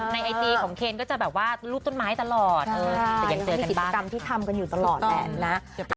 ไอจีของเคนก็จะแบบว่ารูปต้นไม้ตลอดแต่ยังเจอกิจกรรมที่ทำกันอยู่ตลอดแหละนะ